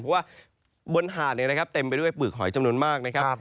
เพราะว่าบนหาดเต็มไปด้วยปือกหอยจำนวนมากนะครับ